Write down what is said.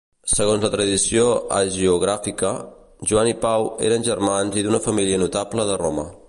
Segons la tradició hagiogràfica, Joan i Pau eren germans i d'una família notable de Roma.